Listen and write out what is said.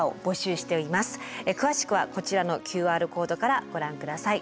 詳しくはこちらのＱＲコードからご覧下さい。